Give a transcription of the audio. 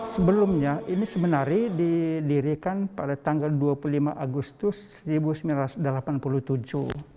sebelumnya ini sebenarnya didirikan pada tanggal dua puluh lima agustus seribu sembilan ratus delapan puluh tujuh